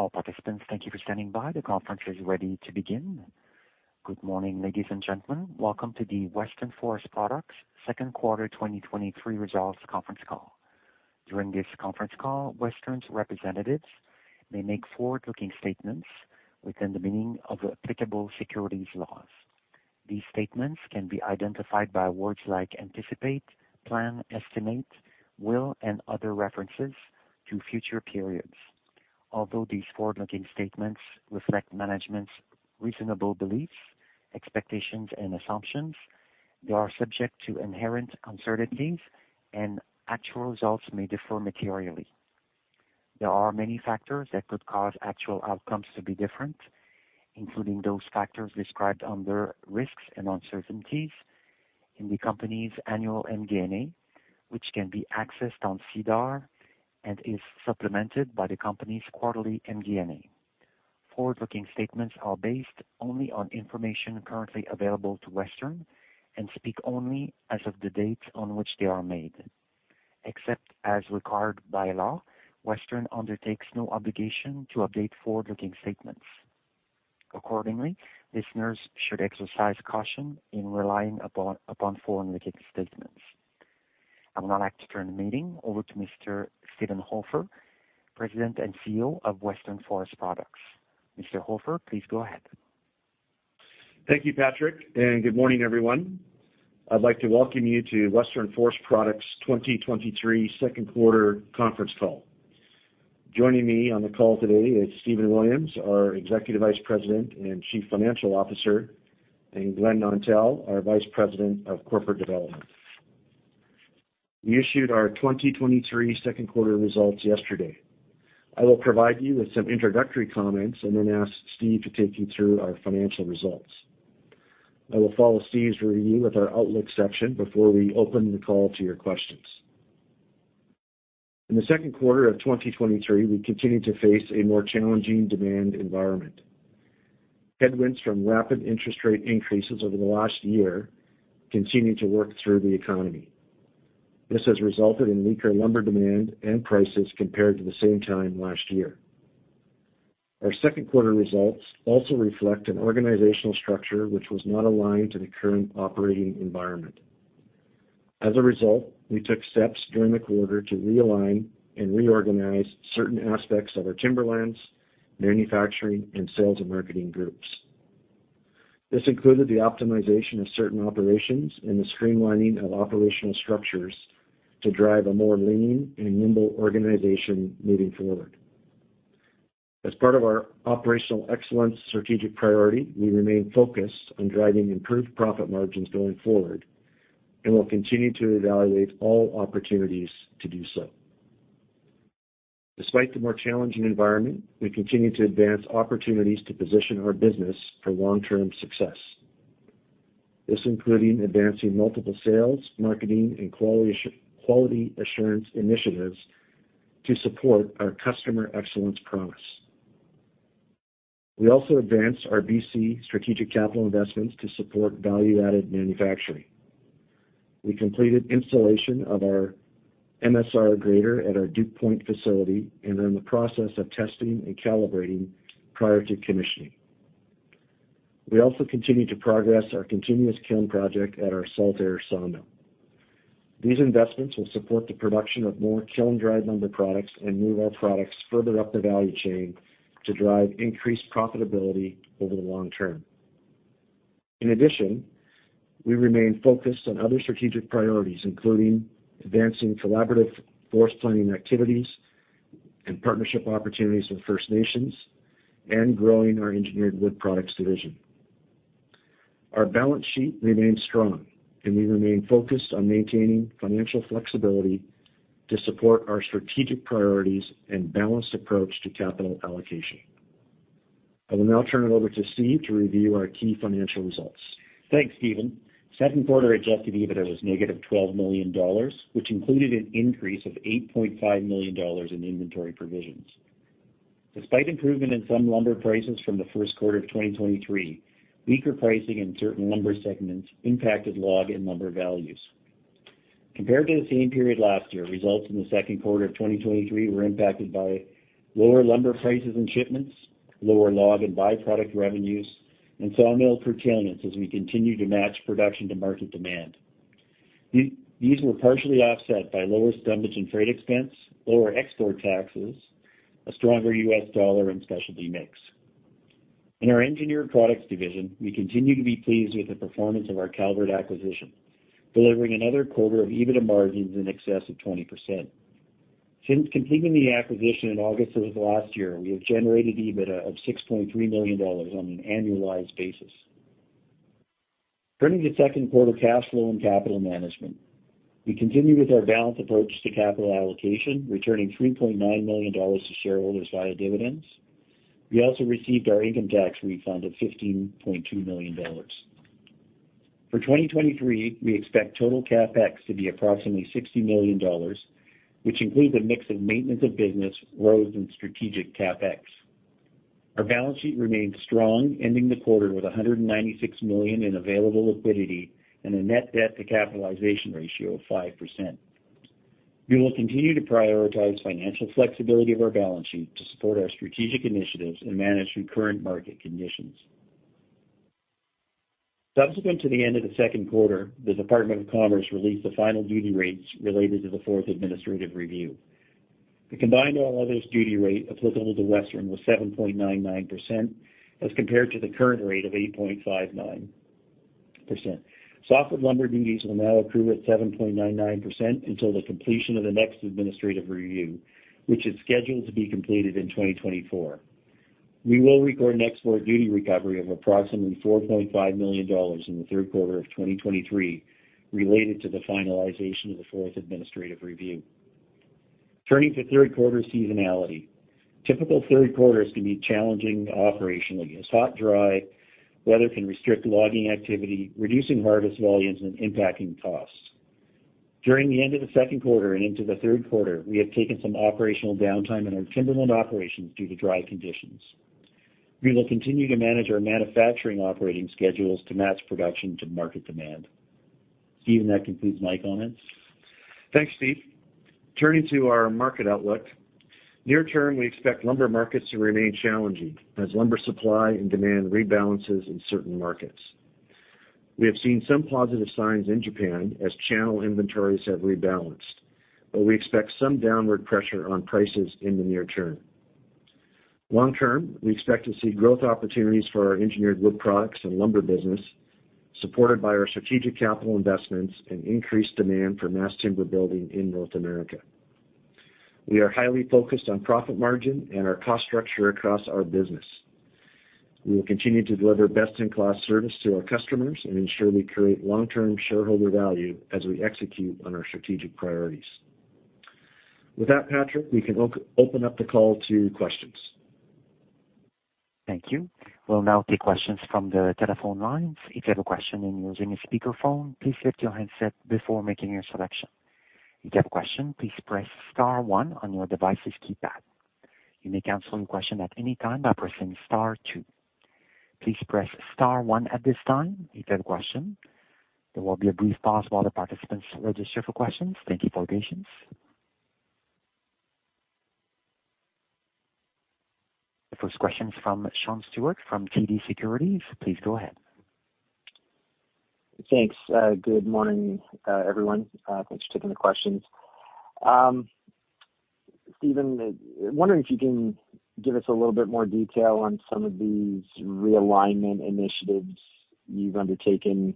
All participants, thank you for standing by. The conference is ready to begin. Good morning, ladies and gentlemen. Welcome to the Western Forest Products second quarter 2023 results conference call. During this conference call, Western's representatives may make forward-looking statements within the meaning of applicable securities laws. These statements can be identified by words like anticipate, plan, estimate, will, and other references to future periods. Although these forward-looking statements reflect management's reasonable beliefs, expectations, and assumptions, they are subject to inherent uncertainties, and actual results may differ materially. There are many factors that could cause actual outcomes to be different, including those factors described under risks and uncertainties in the company's annual MD&A, which can be accessed on SEDAR and is supplemented by the company's quarterly MD&A. Forward-looking statements are based only on information currently available to Western and speak only as of the date on which they are made. Except as required by law, Western undertakes no obligation to update forward-looking statements. Accordingly, listeners should exercise caution in relying upon forward-looking statements. I would now like to turn the meeting over to Mr. Steven Hofer, President and CEO of Western Forest Products. Mr. Hofer, please go ahead. Thank you, Patrick. Good morning, everyone. I'd like to welcome you to Western Forest Products' 2023 second quarter conference call. Joining me on the call today is Stephen Williams, our Executive Vice President and Chief Financial Officer, and Glen Nontell, our Vice President of Corporate Development. We issued our 2023 second quarter results yesterday. I will provide you with some introductory comments and then ask Steve to take you through our financial results. I will follow Steve's review with our outlook section before we open the call to your questions. In the second quarter of 2023, we continued to face a more challenging demand environment. Headwinds from rapid interest rate increases over the last year continued to work through the economy. This has resulted in weaker lumber demand and prices compared to the same time last year. Our second quarter results also reflect an organizational structure which was not aligned to the current operating environment. A result, we took steps during the quarter to realign and reorganize certain aspects of our timberlands, manufacturing, and sales and marketing groups. This included the optimization of certain operations and the streamlining of operational structures to drive a more lean and nimble organization moving forward. Part of our operational excellence strategic priority, we remain focused on driving improved profit margins going forward, and we'll continue to evaluate all opportunities to do so. Despite the more challenging environment, we continue to advance opportunities to position our business for long-term success. This including advancing multiple sales, marketing, and quality assurance initiatives to support our customer excellence promise. We also advanced our BC strategic capital investments to support value-added manufacturing. We completed installation of our MSR grader at our Duke Point facility and are in the process of testing and calibrating prior to commissioning. We also continued to progress our continuous kiln project at our Saltair sawmill. These investments will support the production of more kiln-dried lumber products and move our products further up the value chain to drive increased profitability over the long-term. In addition, we remain focused on other strategic priorities, including advancing collaborative forest planning activities and partnership opportunities with First Nations and growing our engineered wood products division. Our balance sheet remains strong, and we remain focused on maintaining financial flexibility to support our strategic priorities and balanced approach to capital allocation. I will now turn it over to Steven to review our key financial results. Thanks, Stephen. Second quarter adjusted EBITDA was -12 million dollars, which included an increase of 8.5 million dollars in inventory provisions. Despite improvement in some lumber prices from the first quarter of 2023, weaker pricing in certain lumber segments impacted log and lumber values. Compared to the same period last year, results in the second quarter of 2023 were impacted by lower lumber prices and shipments, lower log and byproduct revenues, and sawmill curtailments as we continue to match production to market demand. These were partially offset by lower stumpage and freight expense, lower export taxes, a stronger U.S. dollar, and specialty mix. In our Engineered Products division, we continue to be pleased with the performance of our Calvert acquisition, delivering another quarter of EBITDA margins in excess of 20%. Since completing the acquisition in August of last year, we have generated EBITDA of 6.3 million dollars on an annualized basis. Turning to second quarter cash flow and capital management, we continue with our balanced approach to capital allocation, returning 3.9 million dollars to shareholders via dividends. We also received our income tax refund of 15.2 million dollars. For 2023, we expect total CapEx to be approximately 60 million dollars, which includes a mix of maintenance of business, roads, and strategic CapEx. Our balance sheet remains strong, ending the quarter with 196 million in available liquidity and a net debt to capitalization ratio of 5%. We will continue to prioritize financial flexibility of our balance sheet to support our strategic initiatives and manage through current market conditions. Subsequent to the end of the second quarter, the Department of Commerce released the final duty rates related to the fourth administrative review. The combined all others duty rate applicable to Western was 7.99%, as compared to the current rate of 8.59%. Softwood lumber duties will now accrue at 7.99% until the completion of the next administrative review, which is scheduled to be completed in 2024. We will record an export duty recovery of approximately $4.5 million in the third quarter of 2023 related to the finalization of the fourth administrative review. Turning to third quarter seasonality. Typical third quarters can be challenging operationally, as hot, dry weather can restrict logging activity, reducing harvest volumes and impacting costs. During the end of the second quarter and into the third quarter, we have taken some operational downtime in our timberland operations due to dry conditions. We will continue to manage our manufacturing operating schedules to match production to market demand. Steven, that concludes my comments. Thanks, Steve. Turning to our market outlook. Near term, we expect lumber markets to remain challenging as lumber supply and demand rebalances in certain markets. We have seen some positive signs in Japan as channel inventories have rebalanced, but we expect some downward pressure on prices in the near-term. Long-term, we expect to see growth opportunities for our Engineered Wood Products and Lumber business, supported by our strategic capital investments and increased demand for mass timber building in North America. We are highly focused on profit margin and our cost structure across our business. We will continue to deliver best-in-class service to our customers and ensure we create long-term shareholder value as we execute on our strategic priorities. With that, Patrick, we can open up the call to questions. Thank you. We'll now take questions from the telephone lines. If you have a question and you're using a speakerphone, please mute your handset before making your selection. If you have a question, please press Star one on your device's keypad. You may cancel your question at any time by pressing Star two. Please press Star one at this time, if you have a question. There will be a brief pause while the participants register for questions. Thank you for your patience. The first question is from Sean Steuart from TD Securities. Please go ahead. Thanks. Good morning, everyone. Thanks for taking the questions. Steven, wondering if you can give us a little bit more detail on some of these realignment initiatives you've undertaken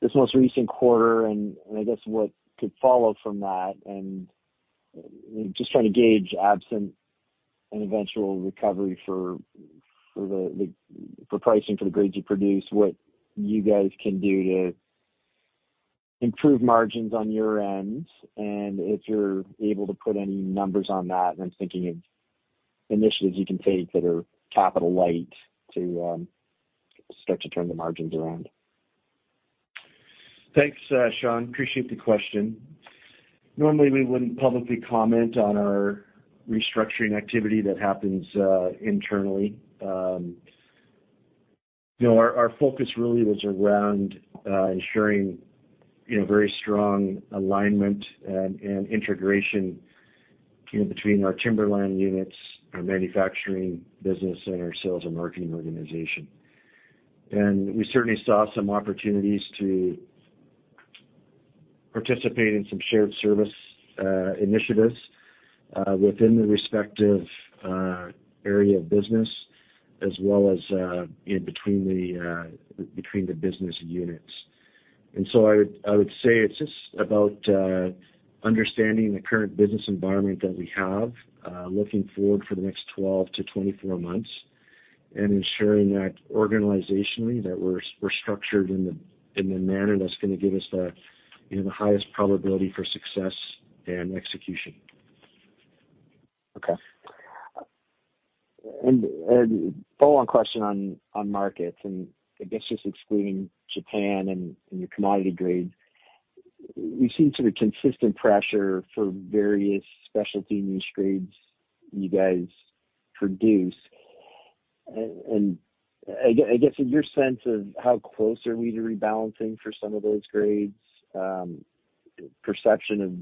this most recent quarter, and I guess what could follow from that, and just trying to gauge, absent an eventual recovery for the for pricing for the grades you produce, what you guys can do to improve margins on your end, and if you're able to put any numbers on that, and I'm thinking of initiatives you can take that are capital light to start to turn the margins around. Thanks, Sean. Appreciate the question. Normally, we wouldn't publicly comment on our restructuring activity that happens internally. You know, our focus really was around ensuring, you know, very strong alignment and integration, you know, between our timberland units, our Manufacturing business, and our Sales and Marketing organization. We certainly saw some opportunities to participate in some shared service initiatives within the respective area of business, as well as in between the business units. I would, I would say it's just about understanding the current business environment that we have, looking forward for the next 12-24 months, and ensuring that organizationally, that we're structured in the manner that's gonna give us the, you know, the highest probability for success and execution. Okay. A follow-on question on, on markets, and I guess just excluding Japan and, and your commodity grades, we've seen sort of consistent pressure for various specialty niche grades you guys produce. I guess, in your sense of how close are we to rebalancing for some of those grades, perception of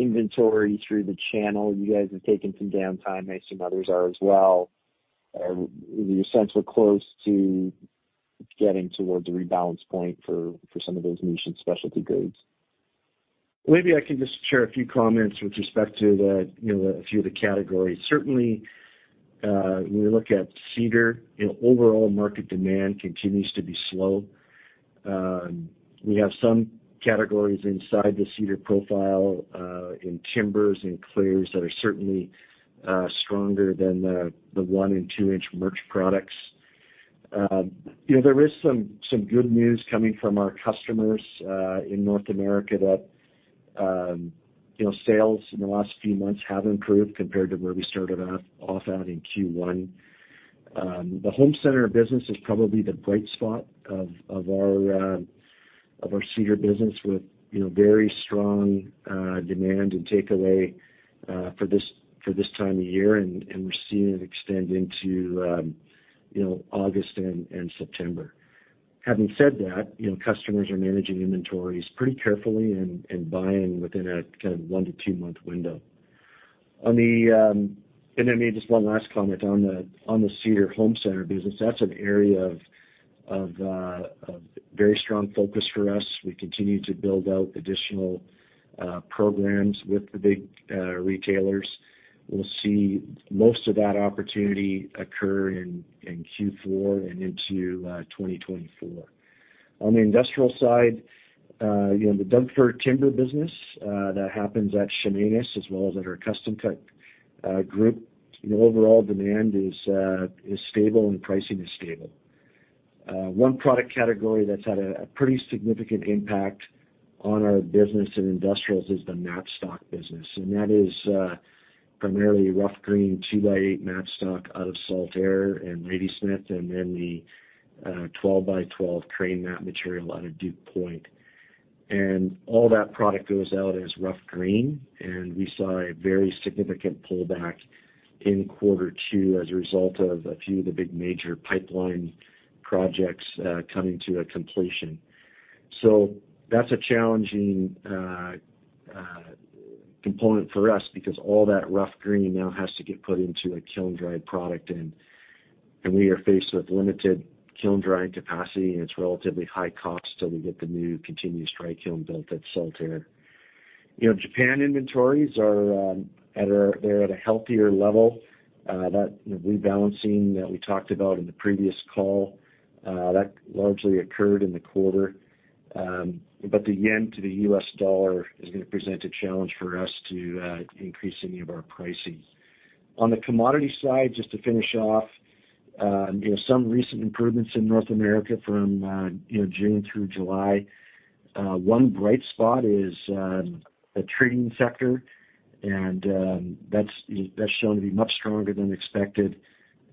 inventory through the channel, you guys have taken some downtime, I see others are as well. In your sense, we're close to getting towards a rebalance point for, for some of those niche and specialty grades? Maybe I can just share a few comments with respect to the, you know, a few of the categories. Certainly, when we look at cedar, you know, overall market demand continues to be slow. We have some categories inside the cedar profile in timbers and clears that are certainly stronger than the, the 1- and 2-inch merch products. You know, there is some, some good news coming from our customers in North America that, you know sales in the last few months have improved compared to where we started off, off at in Q1. The home center business is probably the bright spot of, of our cedar business, with, you know, very strong demand and takeaway for this, for this time of year, and, and we're seeing it extend into, you know, August and September. Having said that, you know, customers are managing inventories pretty carefully and, and buying within a kind of 1 to 2-month window. On the and then maybe just one last comment on the on the cedar home center business, that's an area of of very strong focus for us. We continue to build out additional programs with the big retailers. We'll see most of that opportunity occur in in Q4 and into 2024. On the industrial side, you know, the Doug fir timber business, that happens at Chemainus as well as at our custom cut group, you know, overall demand is stable and pricing is stable. One product category that's had a pretty significant impact on our business in industrials is the mat stock business, and that is primarily rough green 2x8 mat stock out of Saltair and Ladysmith, and then the 12x12 crane mat material out of Duke Point. All that product goes out as rough green, and we saw a very significant pullback in Q2 as a result of a few of the big major pipeline projects coming to a completion. That's a challenging component for us because all that rough green now has to get put into a kiln-dried product, and we are faced with limited kiln drying capacity, and it's relatively high cost till we get the new continuous dry kiln built at Saltair. You know, Japan inventories are at a healthier level. That rebalancing that we talked about in the previous call, that largely occurred in the quarter. The yen to the US dollar is gonna present a challenge for us to increase any of our pricing. On the commodity side, just to finish off, you know, some recent improvements in North America from, you know, June through July. One bright spot is the trading sector, and that's, that's shown to be much stronger than expected,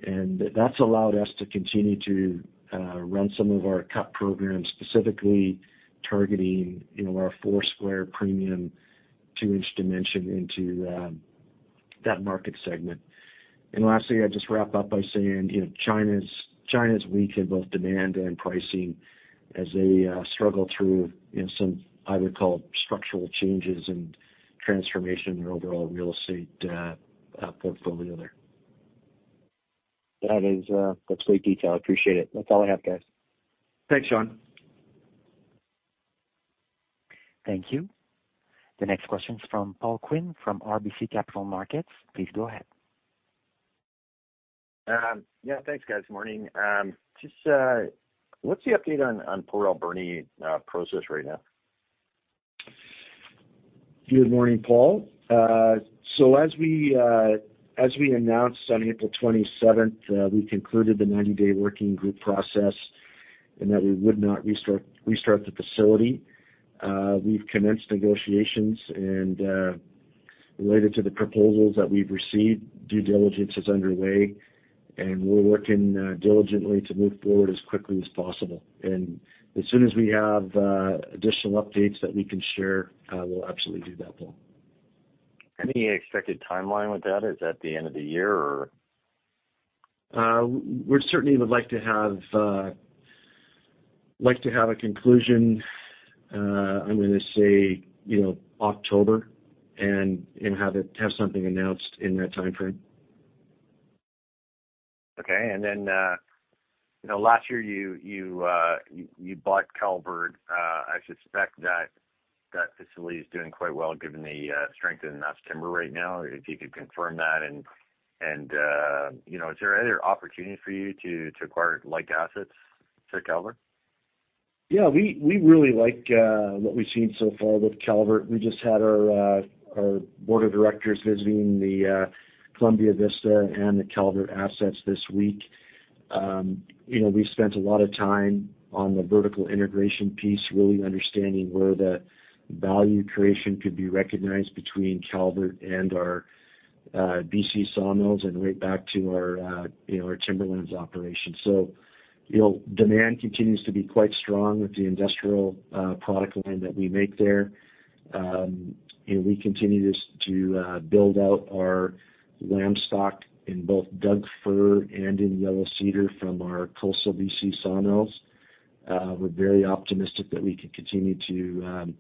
and that's allowed us to continue to run some of our cut programs, specifically targeting, you know, our four square premium 2-inch dimension into that market segment. Lastly, I'll just wrap up by saying, you know, China's, China's weak in both demand and pricing as they struggle through, you know, some, I would call, structural changes and transformation in their overall real estate portfolio there. That is great detail. I appreciate it. That's all I have, guys. Thanks, Sean. Thank you. The next question is from Paul Quinn from RBC Capital Markets. Please go ahead. Yeah, thanks, guys. Good morning. Just, what's the update on, on Port Alberni, process right now? Good morning, Paul. As we, as we announced on April twenty-seventh, we concluded the 90-day working group process, and that we would not restart the facility. We've commenced negotiations, and, related to the proposals that we've received, due diligence is underway, and we're working, diligently to move forward as quickly as possible. As soon as we have, additional updates that we can share, we'll absolutely do that, Paul. Any expected timeline with that? Is that the end of the year, or? We certainly would like to have like to have a conclusion, I'm gonna say, you know, October, and, and have it, have something announced in that time frame. Okay. Then, you know, last year, you, you, you, you bought Calvert. I suspect that that facility is doing quite well, given the strength in timber right now. If you could confirm that, and, and, you know, is there any other opportunity for you to, to acquire like assets for Calvert? Yeah, we, we really like what we've seen so far with Calvert. We just had our board of directors visiting the Columbia Vista and the Calvert assets this week. You know, we spent a lot of time on the vertical integration piece, really understanding where the value creation could be recognized between Calvert and our BC sawmills, and right back to our, you know, our timberlands operation. Demand continues to be quite strong with the industrial product line that we make there. We continue this to build out our lamstock in both Doug fir and in yellow cedar from our TFLs and BC sawmills. We're very optimistic that we can continue to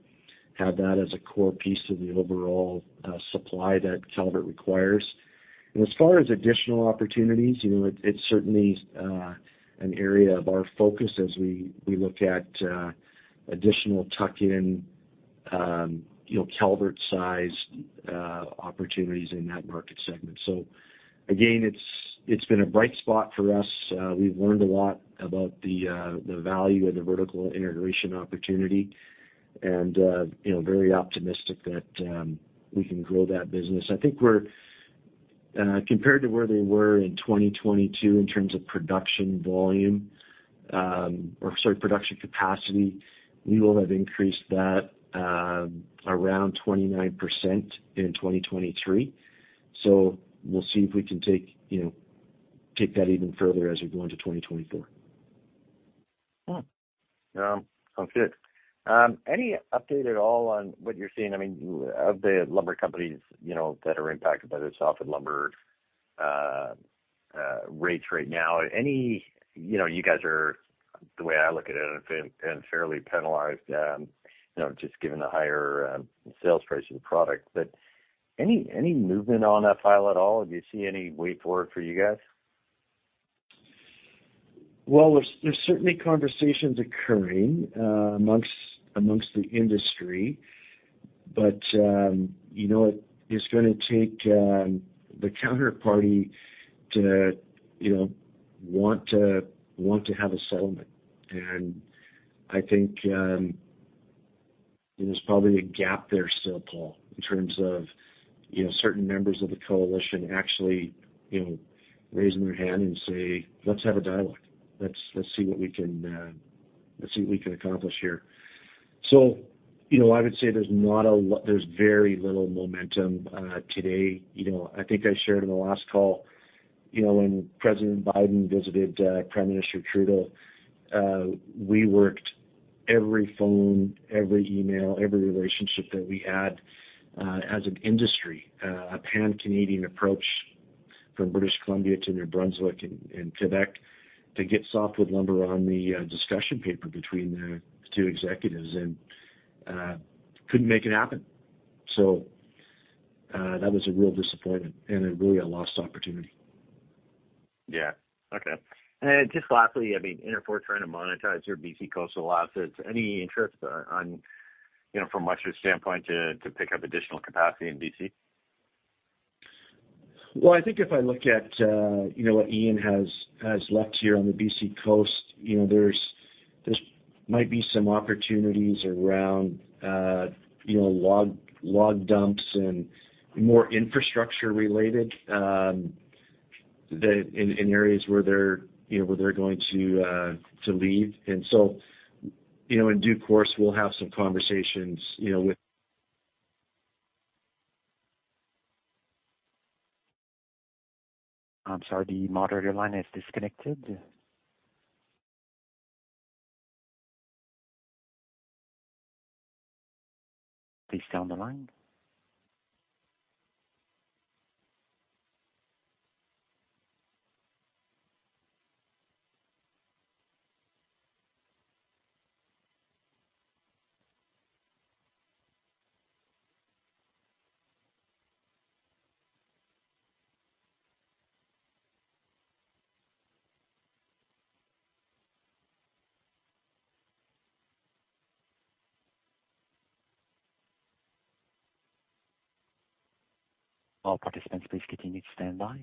have that as a core piece of the overall supply that Calvert requires. As far as additional opportunities, you know, it, it's certainly an area of our focus as we, we look at additional tuck-in, you know, Calvert-sized opportunities in that market segment. Again, it's, it's been a bright spot for us. We've learned a lot about the value of the vertical integration opportunity and, you know, very optimistic that we can grow that business. I think we're. Compared to where they were in 2022 in terms of production volume, or sorry, production capacity, we will have increased that around 29% in 2023. We'll see if we can take, you know, take that even further as we go into 2024. Yeah. Sounds good. Any update at all on what you're seeing? I mean, of the lumber companies, you know, that are impacted by the softwood lumber rates right now. You know, you guys are, the way I look at it, unfairly penalized, you know, just given the higher sales price of the product. Any, any movement on that file at all? Do you see any way forward for you guys? Well, there's, there's certainly conversations occurring amongst, amongst the industry, but, you know, it's gonna take the counterparty to, you know, want to, want to have a settlement. I think there's probably a gap there still, Paul, in terms of, you know, certain members of the Coalition actually, you know, raising their hand and say, "Let's have a dialogue. Let's see what we can, let's see what we can accomplish here." You know, I would say there's not a lot... There's very little momentum today. You know, I think I shared in the last call, you know, when President Biden visited, Prime Minister Trudeau, we worked every phone, every email, every relationship that we had, as an industry, a Pan-Canadian approach from British Columbia to New Brunswick and, and Quebec, to get softwood lumber on the discussion paper between the two executives. Couldn't make it happen. That was a real disappointment and really a lost opportunity. Yeah. Okay. Then just lastly, I mean, Interfor trying to monetize their BC coastal assets. Any interest on, you know, from Western's standpoint, to, to pick up additional capacity in BC? Well, I think if I look at, you know, what Ian has, has left here on the BC coast, you know, there's, there might be some opportunities around, you know, log, log dumps and more infrastructure related, the, in, in areas where they're, you know, where they're going to, to leave. You know, in due course, we'll have some conversations, you know, with-. I'm sorry, the moderator line is disconnected. Please stay on the line. All participants, please continue to stand by.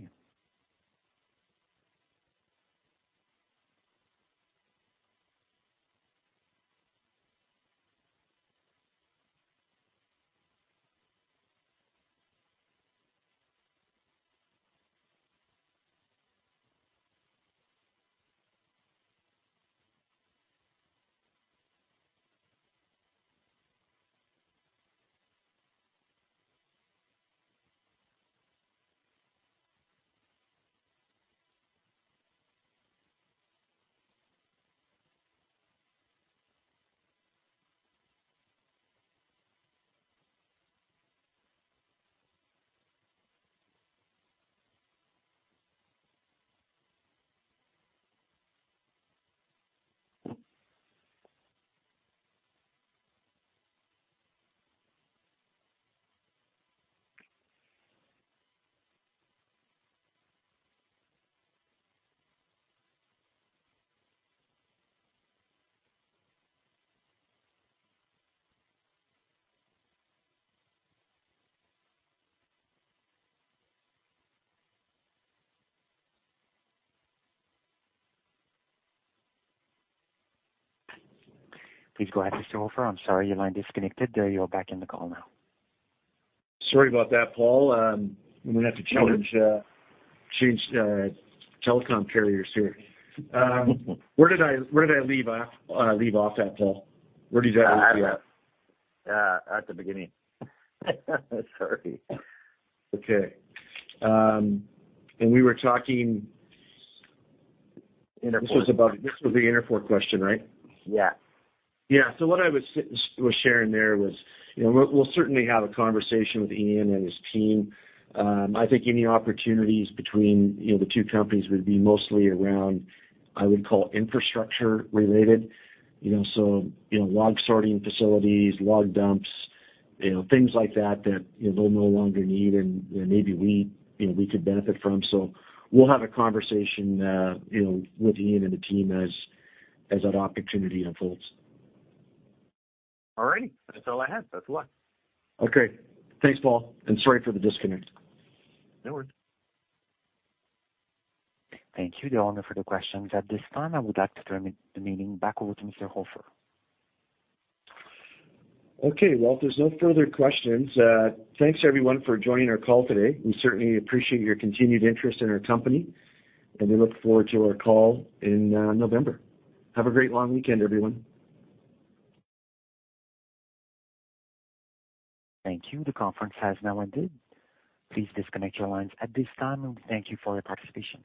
Please go ahead, Mr. Hofer. I'm sorry, your line disconnected. You're back in the call now. Sorry about that, Paul. I'm gonna have to change, change, telecom carriers here. Where did I, where did I leave off, leave off at, Paul? Where did you ask me at? At the beginning. Sorry. Okay. We were talking- Interfor. This was about, this was the Interfor question, right? Yeah. Yeah. What I was sharing there was, you know, we'll, we'll certainly have a conversation with Ian and his team. I think any opportunities between, you know, the two companies would be mostly around, I would call infrastructure related. You know, so, you know, log sorting facilities, log dumps, you know, things like that, that, you know, they'll no longer need and, and maybe we, you know, we could benefit from. We'll have a conversation, you know, with Ian and the team as, as that opportunity unfolds. All right. That's all I have. That's why. Okay. Thanks, Paul, and sorry for the disconnect. No worries. Thank you to all for the questions. At this time, I would like to turn the meeting back over to Mr. Hofer. Okay, well, if there's no further questions, thanks everyone for joining our call today. We certainly appreciate your continued interest in our company. We look forward to our call in November. Have a great long weekend, everyone. Thank you. The conference has now ended. Please disconnect your lines at this time, and we thank you for your participation.